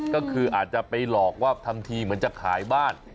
ก็คืออาจจะไปหลอกว่าทำทีเหมือนจะขายบ้าน